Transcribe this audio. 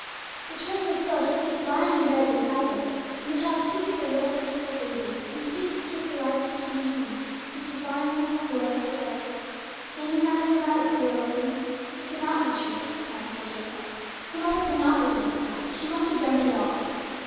The twins were still asleep, lying in bed beside her, and the child peeped at their little peaceful faces, and stooped to kiss Elijah's tiny hand, which was lying on the coverlet of the bed. They knew nothing about it, poor little things. It could not be true, Poppy said to herself; her mother could not be going to die; she must have dreamt it all.